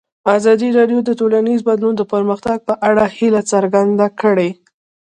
ازادي راډیو د ټولنیز بدلون د پرمختګ په اړه هیله څرګنده کړې.